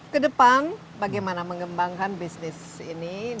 ke depan bagaimana mengembangkan bisnis ini